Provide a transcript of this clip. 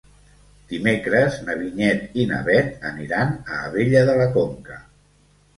Dimecres na Vinyet i na Bet aniran a Abella de la Conca.